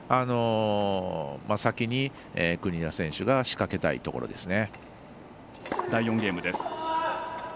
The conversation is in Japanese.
先に国枝選手が仕掛けたいところですね。